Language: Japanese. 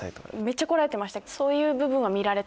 めっちゃこらえてました。